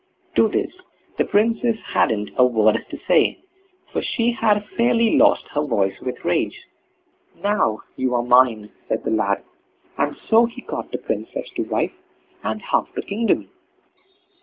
To this the Princess hadn't a word to say, for she had fairly lost her voice with rage. "Now you are mine", said the lad; and so he got the Princess to wife, and half the kingdom.